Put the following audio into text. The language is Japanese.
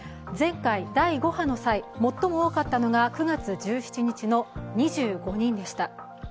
前回第５波の際最も多かったのが９月１７日の２５人でした。